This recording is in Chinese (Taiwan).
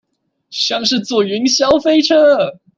像是坐雲霄飛車